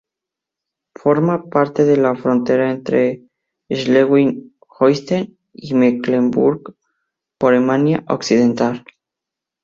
Forma parte de la frontera entre Schleswig-Holstein y Mecklemburgo-Pomerania Occidental.